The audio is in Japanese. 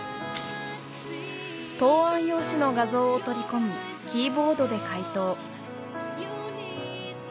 答案用紙の画像を取り込みキーボードで解答。